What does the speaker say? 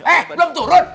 eh belum turun